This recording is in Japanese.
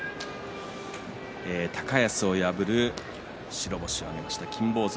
高安を破り白星を挙げました金峰山。